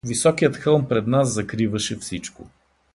Високият хълм пред нас закриваше всичко.